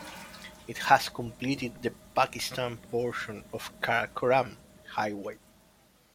It has completed the Pakistan portion of Karakoram Highway.